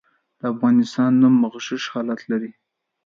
د افغانستان نوم مغشوش حالت لري.